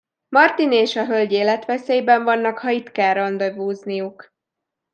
Martin és a hölgy életveszélyben vannak, ha itt kell randevúzniuk.